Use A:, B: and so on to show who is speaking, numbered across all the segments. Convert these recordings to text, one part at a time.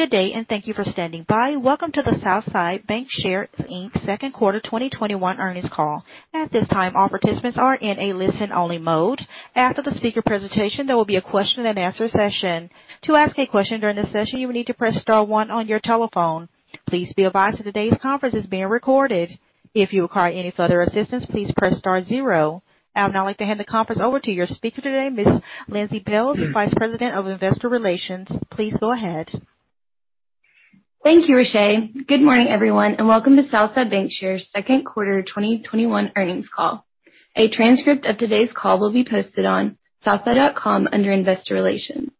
A: Good day, and thank you for standing by. Welcome to the Southside Bancshares, Inc. second quarter 2021 earnings call. At this time, all participants are in a listen-only mode. After the speaker presentation, there will be a question and answer session. To ask a question during the session, you will need to press star one on your telephone. Please be advised that today's conference is being recorded. If you require any further assistance, please press star zero. I would now like to hand the conference over to your speaker today, Ms. Lindsey Bailes, the Vice President of Investor Relations. Please go ahead.
B: Thank you, Richay. Good morning, everyone, and welcome to Southside Bancshares' second quarter 2021 earnings call. A transcript of today's call will be posted on southside.com under Investor Relations.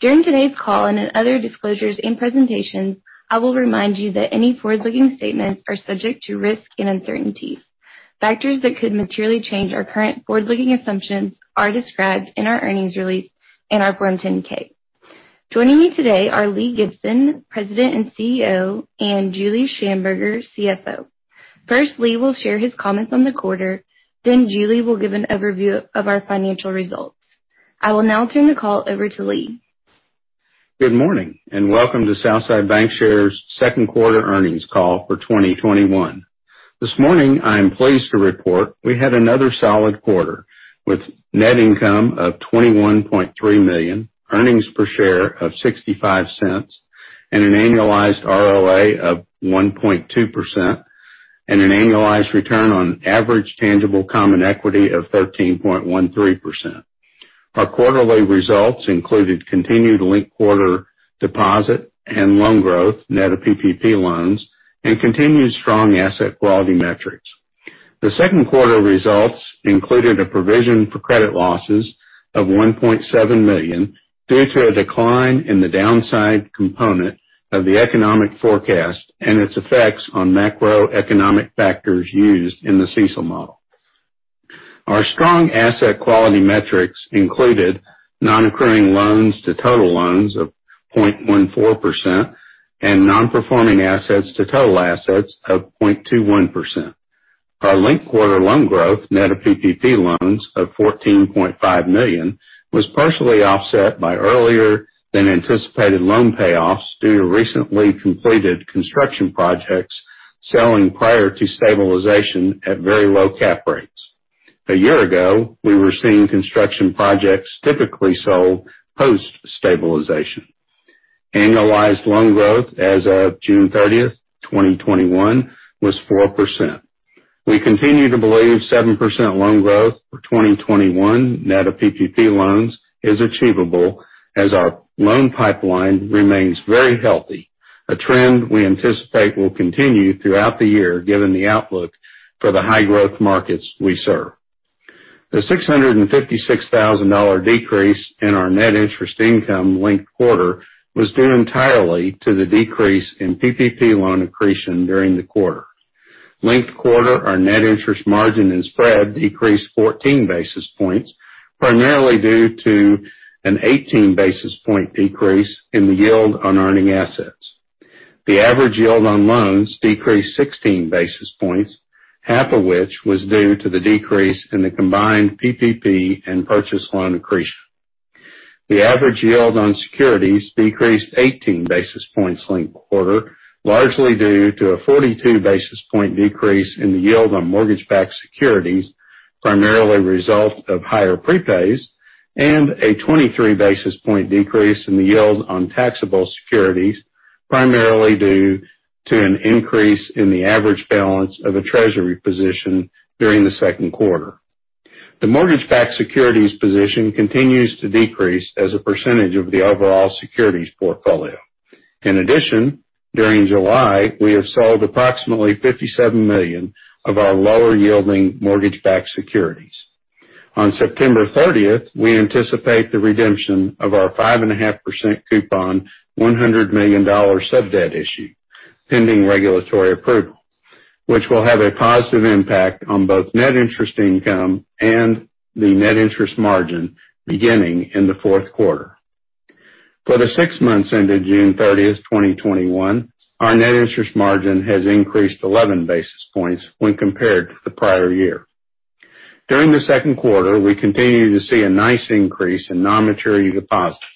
B: During today's call and in other disclosures and presentations, I will remind you that any forward-looking statements are subject to risk and uncertainties. Factors that could materially change our current forward-looking assumptions are described in our earnings release and our Form 10-K. Joining me today are Lee Gibson, President and CEO, and Julie Shamburger, CFO. First, Lee will share his comments on the quarter, then Julie will give an overview of our financial results. I will now turn the call over to Lee.
C: Good morning, and welcome to Southside Bancshares' second quarter earnings call for 2021. This morning, I am pleased to report we had another solid quarter, with net income of $21.3 million, earnings per share of $0.65, and an annualized ROA of 1.2%, and an annualized return on average tangible common equity of 13.13%. Our quarterly results included continued linked quarter deposit and loan growth, net of PPP loans, and continued strong asset quality metrics. The second quarter results included a provision for credit losses of $1.7 million due to a decline in the downside component of the economic forecast and its effects on macroeconomic factors used in the CECL model. Our strong asset quality metrics included non-accruing loans to total loans of 0.14% and non-performing assets to total assets of 0.21%. Our linked quarter loan growth, net of PPP loans of $14.5 million, was partially offset by earlier-than-anticipated loan payoffs due to recently completed construction projects selling prior to stabilization at very low cap rates. A year ago, we were seeing construction projects typically sold post-stabilization. Annualized loan growth as of June 30th, 2021, was 4%. We continue to believe 7% loan growth for 2021 net of PPP loans is achievable as our loan pipeline remains very healthy, a trend we anticipate will continue throughout the year given the outlook for the high-growth markets we serve. The $656,000 decrease in our net interest income linked quarter was due entirely to the decrease in PPP loan accretion during the quarter. Linked quarter, our net interest margin and spread decreased 14 basis points, primarily due to an 18 basis point decrease in the yield on earning assets. The average yield on loans decreased 16 basis points, half of which was due to the decrease in the combined PPP and purchase loan accretion. The average yield on securities decreased 18 basis points linked quarter, largely due to a 42 basis point decrease in the yield on mortgage-backed securities, primarily a result of higher prepays, and a 23 basis point decrease in the yield on taxable securities, primarily due to an increase in the average balance of a treasury position during the second quarter. The mortgage-backed securities position continues to decrease as a percentage of the overall securities portfolio. In addition, during July, we have sold approximately $57 million of our lower yielding mortgage-backed securities. On September 30th, we anticipate the redemption of our 5.5% coupon, $100 million sub debt issue, pending regulatory approval, which will have a positive impact on both net interest income and the net interest margin beginning in the fourth quarter. For the six months ended June 30th, 2021, our net interest margin has increased 11 basis points when compared to the prior year. During the second quarter, we continue to see a nice increase in non-maturity deposits,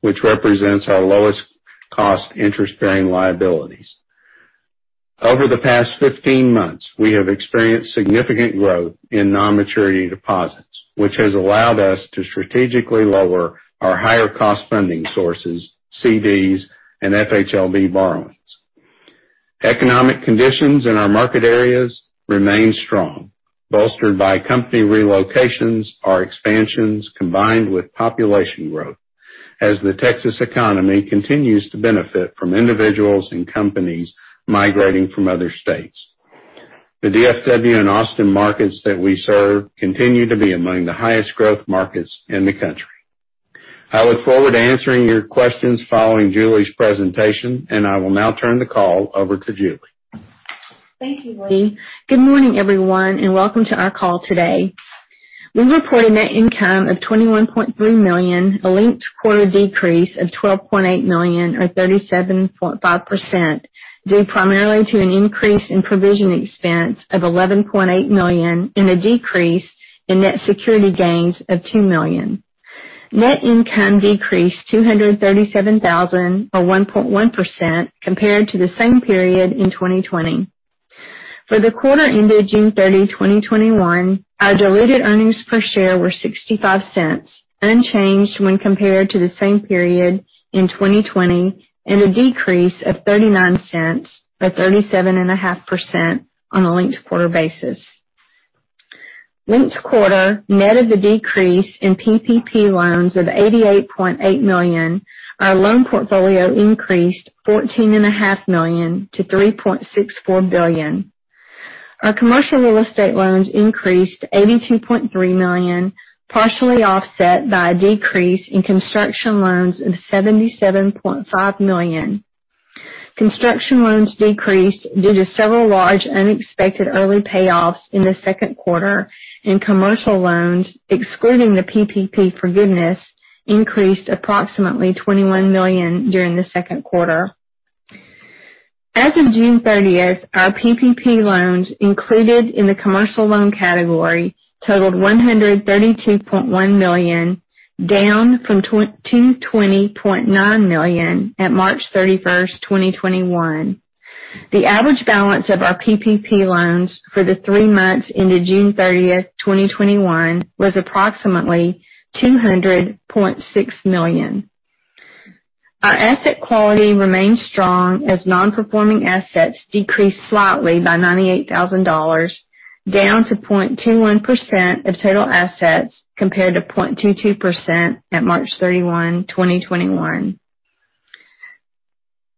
C: which represents our lowest cost interest-bearing liabilities. Over the past 15 months, we have experienced significant growth in non-maturity deposits, which has allowed us to strategically lower our higher cost funding sources, CDs, and FHLB borrowings. Economic conditions in our market areas remain strong, bolstered by company relocations or expansions combined with population growth as the Texas economy continues to benefit from individuals and companies migrating from other states. The DFW and Austin markets that we serve continue to be among the highest growth markets in the country. I look forward to answering your questions following Julie's presentation. I will now turn the call over to Julie.
D: Thank you, Lee. Good morning, everyone, and welcome to our call today. We report a net income of $21.3 million, a linked quarter decrease of $12.8 million or 37.5% due primarily to an increase in provision expense of $11.8 million and a decrease in net security gains of $2 million. Net income decreased $237,000 or 1.1% compared to the same period in 2020. For the quarter ended June 30, 2021, our diluted earnings per share were $0.65, unchanged when compared to the same period in 2020, and a decrease of $0.39 or 37.5% on a linked quarter basis. Linked quarter net of the decrease in PPP loans of $88.8 million, our loan portfolio increased $14.5 million to $3.64 billion. Our commercial real estate loans increased to $82.3 million, partially offset by a decrease in construction loans of $77.5 million. Construction loans decreased due to several large unexpected early payoffs in the second quarter, and commercial loans, excluding the PPP forgiveness, increased approximately $21 million during the second quarter. As of June 30th, our PPP loans included in the commercial loan category totaled $132.1 million, down from $220.9 million at March 31st, 2021. The average balance of our PPP loans for the three months ended June 30th, 2021, was approximately $200.6 million. Our asset quality remains strong as non-performing assets decreased slightly by $98,000, down to 0.21% of total assets, compared to 0.22% at March 31, 2021.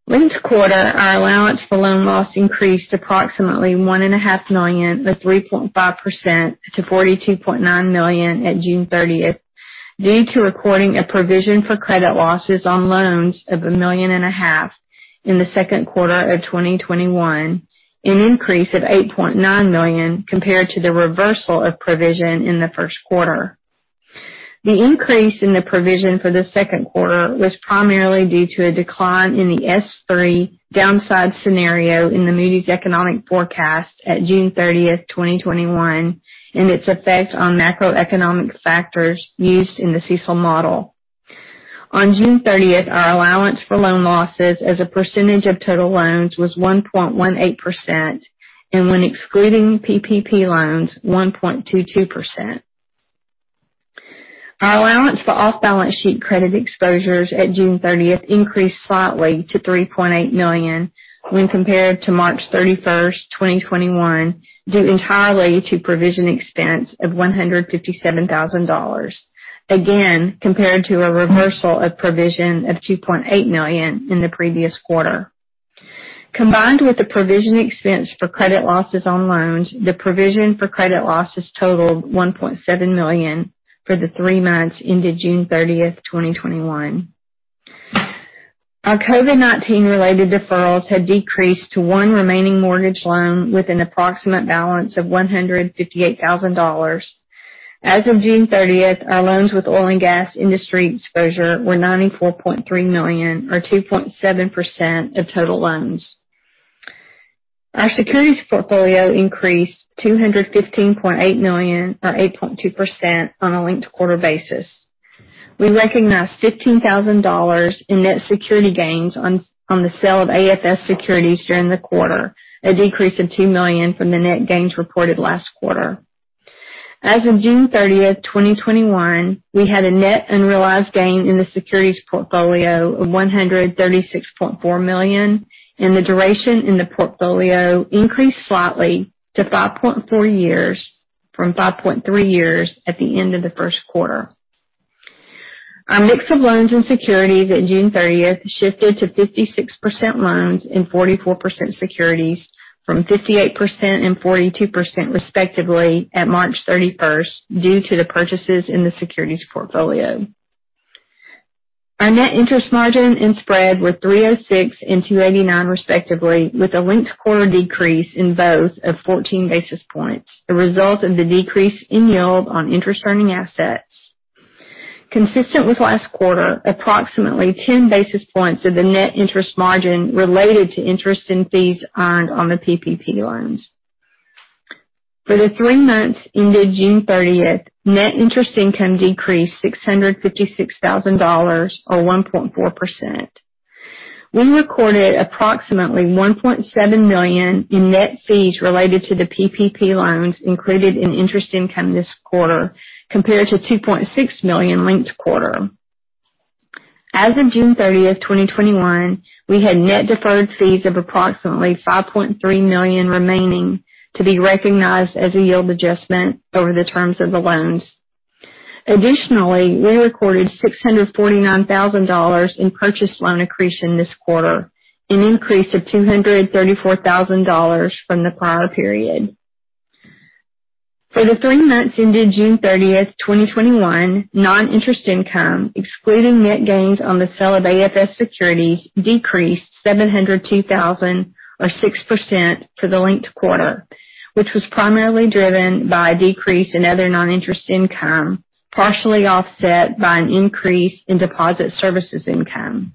D: Linked quarter, our allowance for loan loss increased approximately $1.5 million or 3.5% to $42.9 million at June 30th, due to recording a provision for credit losses on loans of $1.5 million in the second quarter of 2021, an increase of $8.9 million compared to the reversal of provision in the first quarter. The increase in the provision for the second quarter was primarily due to a decline in the S3 downside scenario in the Moody's economic forecast at June 30th, 2021, and its effect on macroeconomic factors used in the CECL model. On June 30th, our allowance for loan losses as a percentage of total loans was 1.18%, and when excluding PPP loans, 1.22%. Our allowance for off-balance sheet credit exposures at June 30th increased slightly to $3.8 million when compared to March 31st, 2021, due entirely to provision expense of $157,000. Again, compared to a reversal of provision of $2.8 million in the previous quarter. Combined with the provision expense for credit losses on loans, the provision for credit losses totaled $1.7 million for the three months ended June 30th, 2021. Our COVID-19 related deferrals had decreased to one remaining mortgage loan with an approximate balance of $158,000. As of June 30th, our loans with oil and gas industry exposure were $94.3 million or 2.7% of total loans. Our securities portfolio increased to $215.8 million or 8.2% on a linked quarter basis. We recognized $15,000 in net security gains on the sale of AFS securities during the quarter, a decrease of $2 million from the net gains reported last quarter. As of June 30th, 2021, we had a net unrealized gain in the securities portfolio of $136.4 million, and the duration in the portfolio increased slightly to 5.4 years from 5.3 years at the end of the first quarter. Our mix of loans and securities at June 30th shifted to 56% loans and 44% securities from 58% and 42% respectively at March 31st due to the purchases in the securities portfolio. Our net interest margin and spread were 3.06% and 2.89% respectively, with a linked quarter decrease in both of 14 basis points, the result of the decrease in yield on interest-earning assets. Consistent with last quarter, approximately 10 basis points of the net interest margin related to interest and fees earned on the PPP loans. For the three months ended June 30th, net interest income decreased $656,000 or 1.4%. We recorded approximately $1.7 million in net fees related to the PPP loans included in interest income this quarter compared to $2.6 million linked quarter. As of June 30th, 2021, we had net deferred fees of approximately $5.3 million remaining to be recognized as a yield adjustment over the terms of the loans. Additionally, we recorded $649,000 in purchase loan accretion this quarter, an increase of $234,000 from the prior period. For the three months ended June 30th, 2021, non-interest income, excluding net gains on the sale of AFS securities, decreased $702,000 or 6% for the linked quarter which was primarily driven by a decrease in other non-interest income, partially offset by an increase in deposit services income.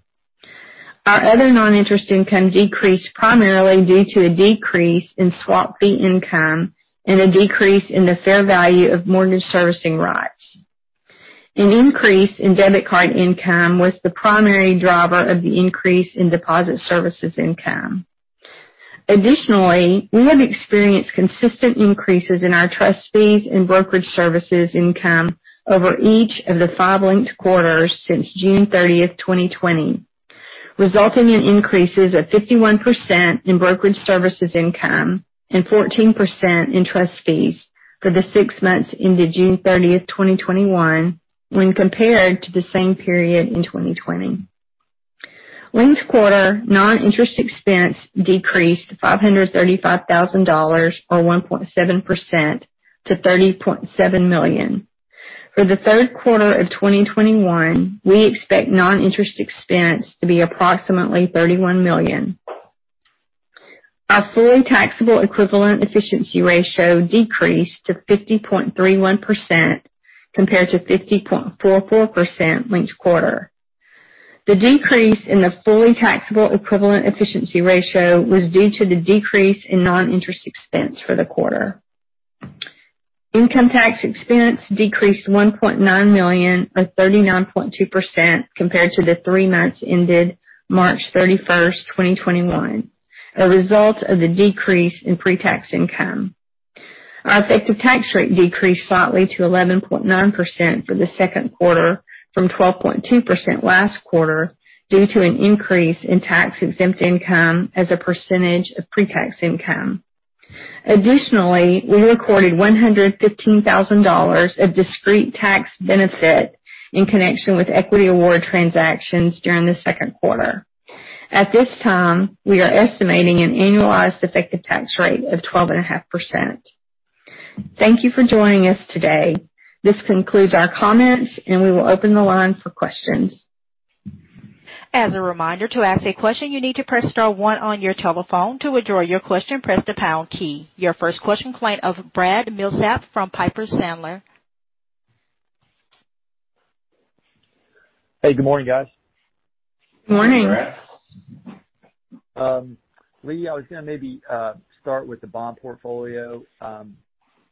D: Our other non-interest income decreased primarily due to a decrease in swap fee income and a decrease in the fair value of mortgage servicing rights. An increase in debit card income was the primary driver of the increase in deposit services income. Additionally, we have experienced consistent increases in our trust fees and brokerage services income over each of the five linked quarters since June 30th, 2020, resulting in increases of 51% in brokerage services income and 14% in trust fees for the six months ended June 30th, 2021, when compared to the same period in 2020. Linked quarter non-interest expense decreased to $535,000, or 1.7%, to $30.7 million. For the third quarter of 2021, we expect non-interest expense to be approximately $31 million. Our fully taxable equivalent efficiency ratio decreased to 50.31% compared to 50.44% linked quarter. The decrease in the fully taxable equivalent efficiency ratio was due to the decrease in non-interest expense for the quarter. Income tax expense decreased $1.9 million, or 39.2%, compared to the three months ended March 31st, 2021, a result of the decrease in pre-tax income. Our effective tax rate decreased slightly to 11.9% for the second quarter from 12.2% last quarter due to an increase in tax-exempt income as a percentage of pre-tax income. Additionally, we recorded $115,000 of discrete tax benefit in connection with equity award transactions during the second quarter. At this time, we are estimating an annualized effective tax rate of 12.5%. Thank you for joining us today. This concludes our comments, and we will open the line for questions.
A: As a reminder, to ask a question, you need to press star one on your telephone. To withdraw your question, press the pound key. Your first question, client of Brad Milsaps from Piper Sandler.
E: Hey, good morning, guys.
D: Morning.
E: Lee, I was going to maybe start with the bond portfolio.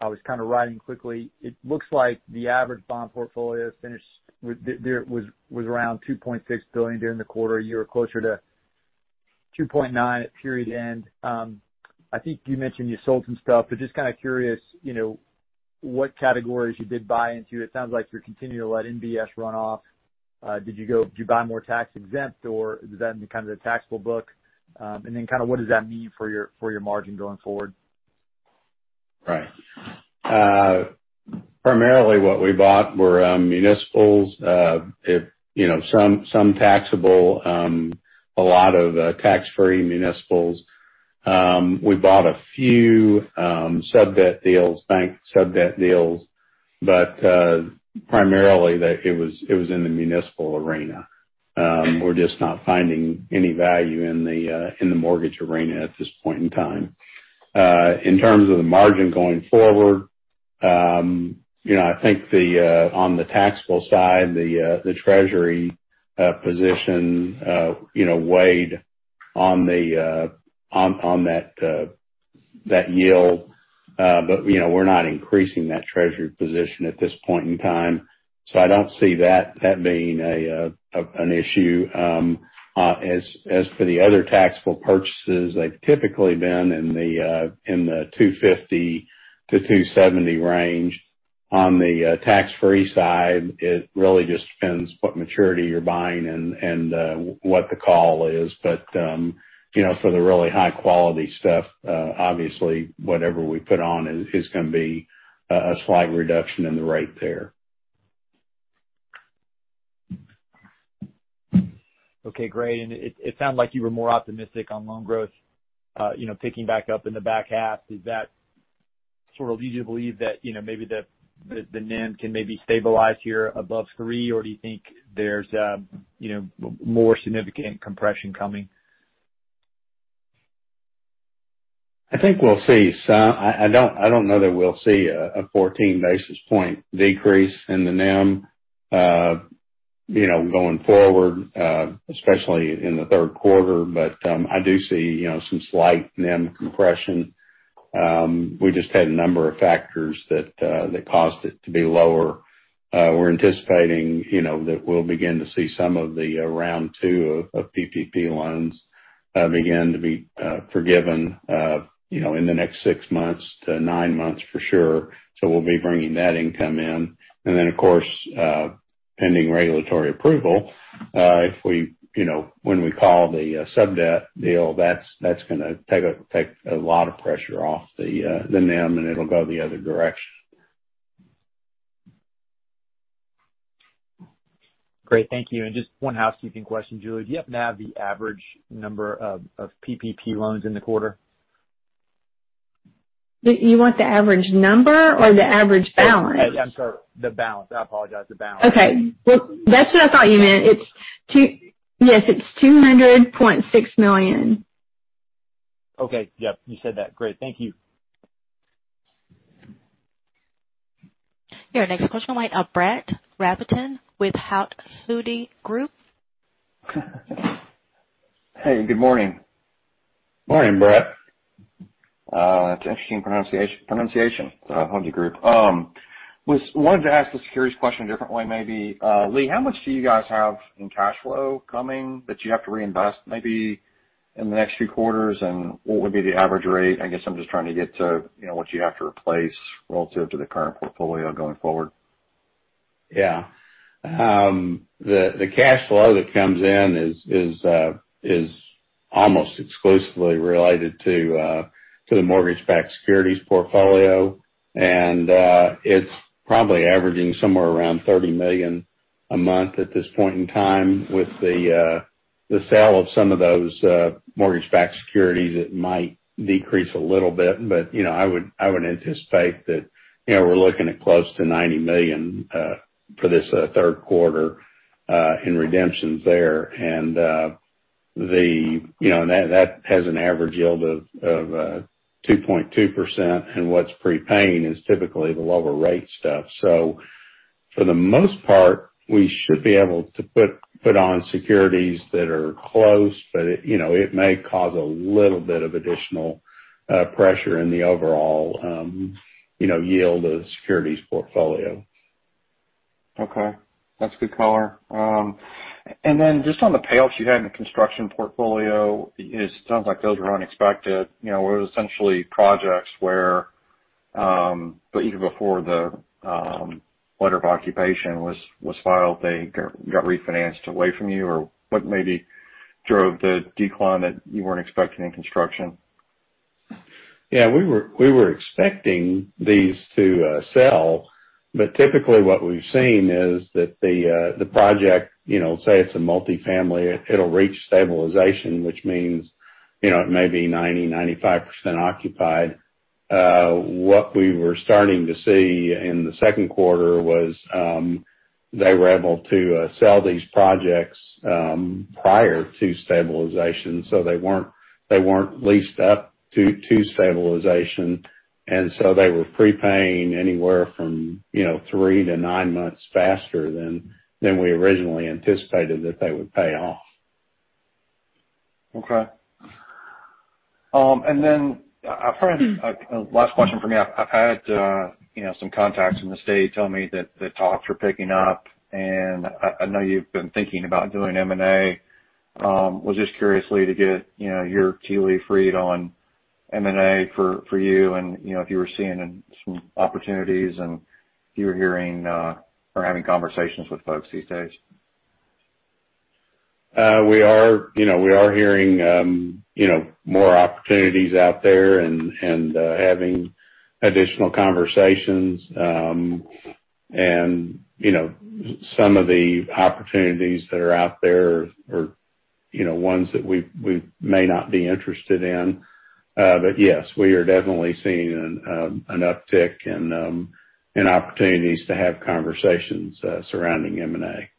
E: I was kind of writing quickly. It looks like the average bond portfolio was around $2.6 billion during the quarter, you were closer to $2.9 billion at period end. I think you mentioned you sold some stuff. Just kind of curious, what categories you did buy into. It sounds like you're continuing to let MBS run off. Did you buy more tax exempt, or is that in the kind of the taxable book? What does that mean for your margin going forward?
C: Primarily what we bought were municipals. Some taxable, a lot of tax-free municipals. We bought a few sub-debt deals, bank sub-debt deals, primarily it was in the municipal arena. We're just not finding any value in the mortgage arena at this point in time. In terms of the margin going forward, I think on the taxable side, the treasury position weighed on that yield, we're not increasing that treasury position at this point in time. I don't see that being an issue. As for the other taxable purchases, they've typically been in the 2.50%-2.70% range. On the tax-free side, it really just depends what maturity you're buying and what the call is. For the really high-quality stuff, obviously whatever we put on is going to be a slight reduction in the rate there.
E: Okay, great. It sounded like you were more optimistic on loan growth picking back up in the back half. Is that sort of lead you to believe that maybe the NIM can maybe stabilize here above 3%, or do you think there's more significant compression coming?
C: I think we'll see some. I don't know that we'll see a 14 basis point decrease in the NIM going forward, especially in the third quarter, but I do see some slight NIM compression. We just had a number of factors that caused it to be lower. We're anticipating that we'll begin to see some of the round 2 of PPP loans begin to be forgiven in the next six months to nine months, for sure, so we'll be bringing that income in. Of course, pending regulatory approval, when we call the sub-debt deal, that's going to take a lot of pressure off the NIM, and it'll go the other direction.
E: Great. Thank you. Just one housekeeping question, Julie. Do you happen to have the average number of PPP loans in the quarter?
D: You want the average number or the average balance?
E: I'm sorry, the balance. I apologize. The balance.
D: Okay. Well, that's what I thought you meant. Yes, it's $200.6 million.
E: Okay. Yep, you said that. Great. Thank you.
A: Your next question line, Brett Rabatin with Hovde Group.
F: Hey, good morning.
C: Morning, Brett.
F: That's interesting pronunciation, Hovde Group. Wanted to ask the securities question a different way, maybe. Lee, how much do you guys have in cash flow coming that you have to reinvest, maybe in the next few quarters, and what would be the average rate? I guess I'm just trying to get to what you have to replace relative to the current portfolio going forward.
C: The cash flow that comes in is almost exclusively related to the mortgage-backed securities portfolio, and it's probably averaging somewhere around $30 million a month at this point in time. With the sale of some of those mortgage-backed securities, it might decrease a little bit. I would anticipate that we're looking at close to $90 million for this third quarter in redemptions there. That has an average yield of 2.2%, and what's prepaying is typically the lower rate stuff. For the most part, we should be able to put on securities that are close, but it may cause a little bit of additional pressure in the overall yield of the securities portfolio.
F: Okay. That's a good color. Just on the payoffs you had in the construction portfolio, it sounds like those were unexpected. It was essentially projects where, even before the letter of occupation was filed, they got refinanced away from you? What maybe drove the decline that you weren't expecting in construction?
C: Yeah, we were expecting these to sell. Typically what we've seen is that the project, say it's a multi-family, it'll reach stabilization, which means, it may be 90%, 95% occupied. What we were starting to see in the second quarter was, they were able to sell these projects prior to stabilization. They weren't leased up to stabilization. They were prepaying anywhere from three to nine months faster than we originally anticipated that they would pay off.
F: Okay. Last question from me. I've had some contacts in the state tell me that the talks are picking up, and I know you've been thinking about doing M&A. Was just curious, Lee, to get your tea leaf read on M&A for you, and if you were seeing some opportunities and if you were hearing or having conversations with folks these days?
C: We are hearing more opportunities out there and having additional conversations. Some of the opportunities that are out there are ones that we may not be interested in. Yes, we are definitely seeing an uptick in opportunities to have conversations surrounding M&A.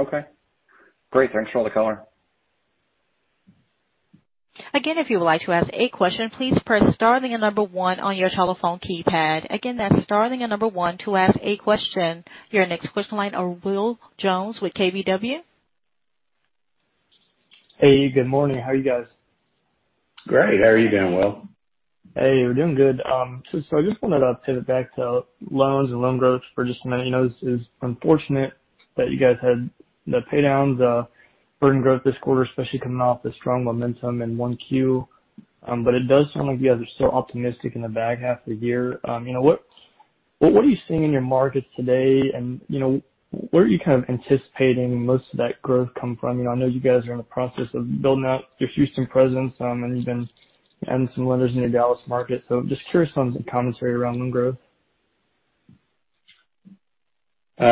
F: Okay. Great. Thanks for all the color.
A: Again, if you would like to ask a question, please press star then number one on your telephone keypad. Again, that's star then number one to ask a question. Your next question line, Will Jones with KBW.
G: Hey, good morning. How are you guys?
C: Great. How are you doing, Will?
G: Hey, we're doing good. I just wanted to pivot back to loans and loan growth for just a minute. It's unfortunate that you guys had the pay downs, the burden growth this quarter, especially coming off the strong momentum in 1Q. It does sound like you guys are still optimistic in the back half of the year. What are you seeing in your markets today, and where are you kind of anticipating most of that growth come from? I know you guys are in the process of building out your Houston presence, and you've been adding some lenders in your Dallas market. Just curious on some commentary around loan growth.
C: We've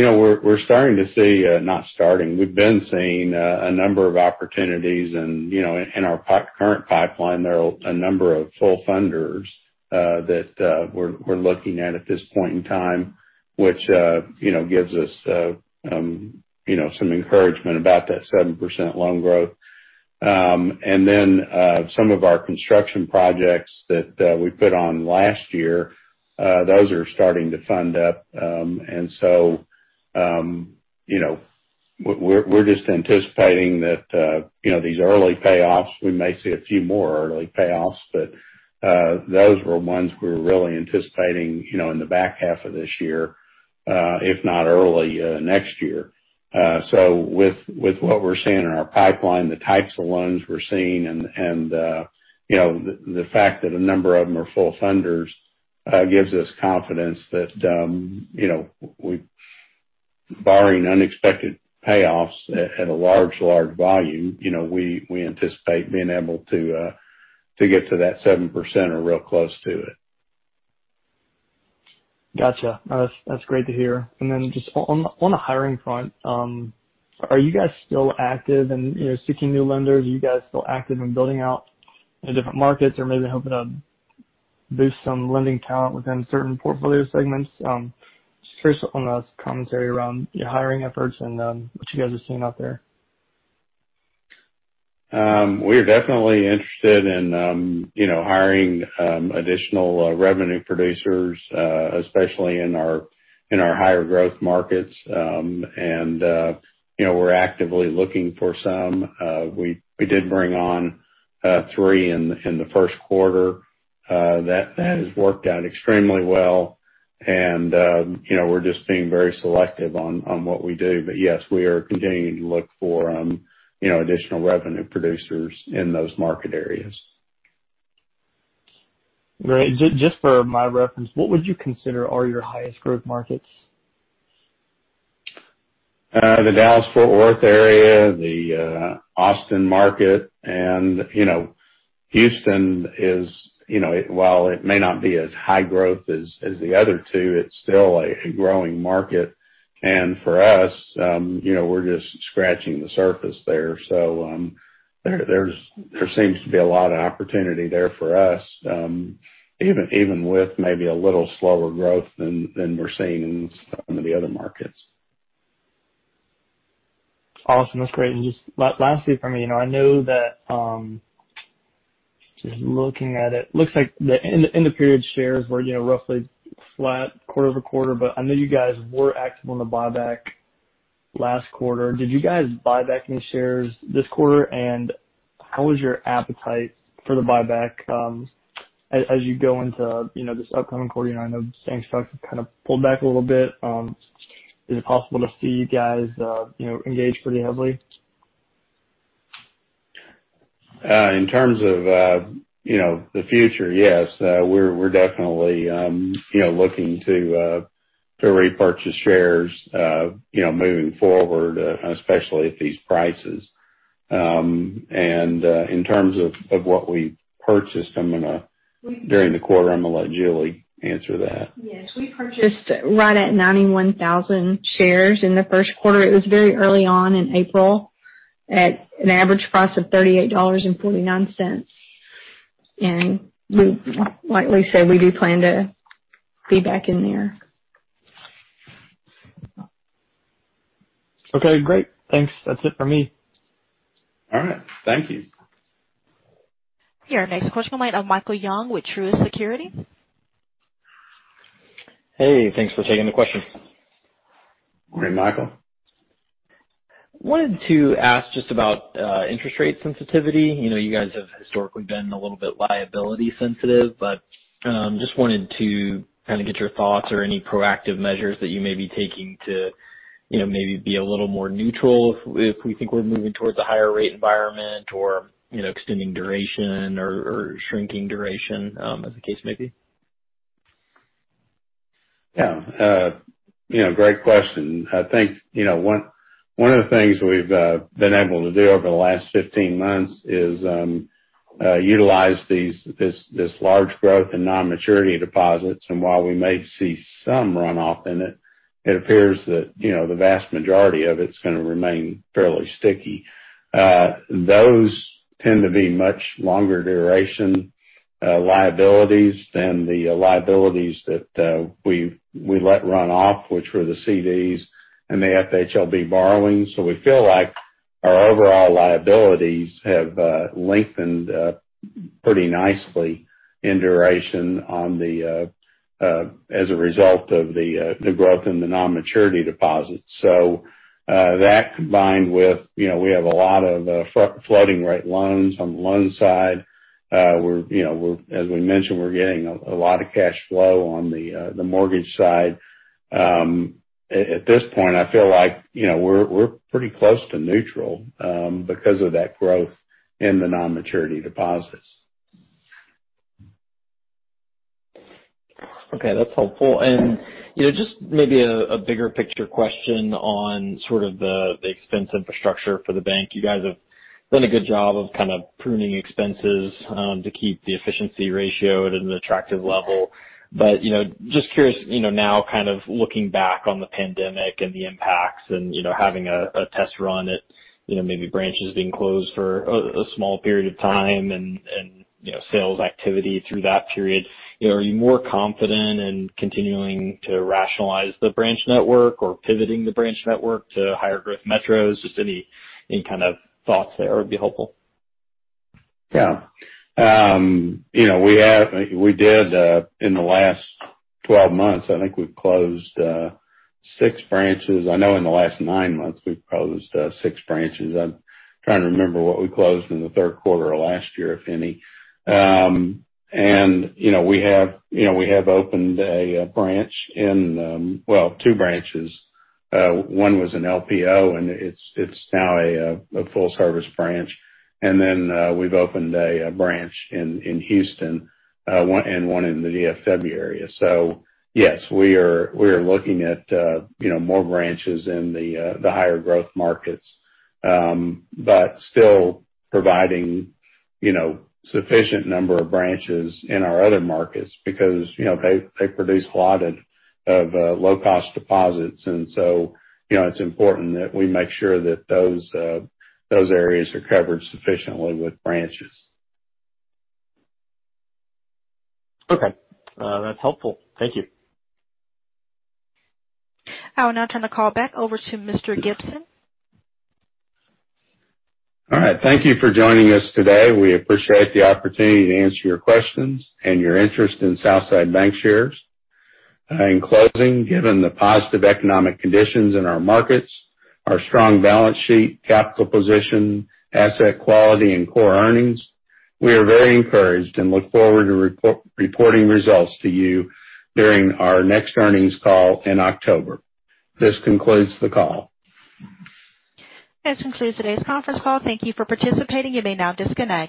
C: been seeing a number of opportunities and in our current pipeline, there are a number of full funders, that, we're looking at at this point in time, which gives us some encouragement about that 7% loan growth. Some of our construction projects that we put on last year, those are starting to fund up. We're just anticipating that these early payoffs, we may see a few more early payoffs. Those were ones we were really anticipating in the back half of this year, if not early next year. With what we're seeing in our pipeline, the types of loans we're seeing, and the fact that a number of them are full funders, gives us confidence that barring unexpected payoffs at a large volume, we anticipate being able to get to that 7% or real close to it.
G: Got you. That is great to hear. Just on the hiring front, are you guys still active and seeking new lenders? Are you guys still active in building out in different markets or maybe hoping to boost some lending talent within certain portfolio segments? Just curious on the commentary around your hiring efforts and what you guys are seeing out there.
C: We are definitely interested in hiring additional revenue producers, especially in our higher growth markets. We're actively looking for some. We did bring on three in the first quarter. That has worked out extremely well. We're just being very selective on what we do. Yes, we are continuing to look for additional revenue producers in those market areas.
G: Great. Just for my reference, what would you consider are your highest growth markets?
C: The Dallas-Fort Worth area, the Austin market, and Houston is, while it may not be as high growth as the other two, it's still a growing market. For us, we're just scratching the surface there. There seems to be a lot of opportunity there for us, even with maybe a little slower growth than we're seeing in some of the other markets.
G: Awesome. That's great. Just lastly from me, I know that, just looking at it, looks like the end of period shares were roughly flat quarter-over-quarter, but I know you guys were active on the buyback last quarter. Did you guys buy back any shares this quarter? How was your appetite for the buyback as you go into this upcoming quarter? I know things have kind of pulled back a little bit. Is it possible to see you guys engage pretty heavily?
C: In terms of the future, yes. We're definitely looking to repurchase shares moving forward, especially at these prices. In terms of what we purchased during the quarter, I'm going to let Julie answer that.
D: Yes. We purchased right at 91,000 shares in the first quarter. It was very early on in April at an average price of $38.49. Like we said, we do plan to be back in there.
G: Okay, great. Thanks. That's it for me.
C: All right. Thank you.
A: Your next question will be Michael Young with Truist Securities.
H: Hey, thanks for taking the question.
C: Morning, Michael.
H: I wanted to ask just about interest rate sensitivity. You guys have historically been a little bit liability sensitive, but just wanted to kind of get your thoughts or any proactive measures that you may be taking to maybe be a little more neutral if we think we're moving towards a higher rate environment or extending duration or shrinking duration, as the case may be?
C: Yeah. Great question. I think one of the things we've been able to do over the last 15 months is utilize this large growth in non-maturity deposits. While we may see some runoff in it appears that the vast majority of it's going to remain fairly sticky. Those tend to be much longer duration liabilities than the liabilities that we let run off, which were the CDs and the FHLB borrowings. We feel like our overall liabilities have lengthened up pretty nicely in duration as a result of the growth in the non-maturity deposits. That combined with, we have a lot of floating rate loans on the loan side. As we mentioned, we're getting a lot of cash flow on the mortgage side. At this point, I feel like we're pretty close to neutral because of that growth in the non-maturity deposits.
H: Okay, that's helpful. Just maybe a bigger picture question on sort of the expense infrastructure for the bank. You guys have done a good job of kind of pruning expenses to keep the efficiency ratio at an attractive level. Just curious, now kind of looking back on the pandemic and the impacts and having a test run at maybe branches being closed for a small period of time and sales activity through that period, are you more confident in continuing to rationalize the branch network or pivoting the branch network to higher growth metros? Just any kind of thoughts there would be helpful.
C: Yeah. We did in the last 12 months, I think we've closed six branches. I know in the last nine months, we've closed six branches. I'm trying to remember what we closed in the third quarter of last year, if any. We have opened a branch in--well, two branches. One was an LPO, and it's now a full service branch. Then we've opened a branch in Houston, and one in the DFW area. Yes, we are looking at more branches in the higher growth markets. Still providing sufficient number of branches in our other markets because they produce a lot of low cost deposits. It's important that we make sure that those areas are covered sufficiently with branches.
H: Okay. That's helpful. Thank you.
A: I will now turn the call back over to Mr. Gibson.
C: All right. Thank you for joining us today. We appreciate the opportunity to answer your questions and your interest in Southside Bancshares. In closing, given the positive economic conditions in our markets, our strong balance sheet, capital position, asset quality, and core earnings, we are very encouraged and look forward to reporting results to you during our next earnings call in October. This concludes the call.
A: This concludes today's conference call. Thank you for participating. You may now disconnect.